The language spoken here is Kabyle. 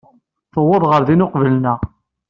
Tuweḍ ɣer din uqbel-nneɣ.